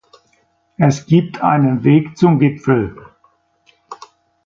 Es gibt einen Weg zum Gipfel.